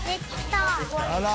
あら！